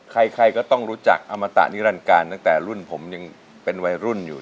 ใครก็ต้องรู้จักอมตะนิรันการตั้งแต่รุ่นผมยังเป็นวัยรุ่นอยู่